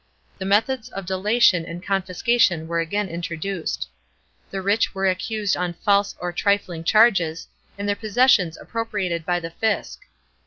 The methods of delation and confiscation were again introduced. The rich were accused OD false or trifling charges, and their possessions appropriated by the fisc.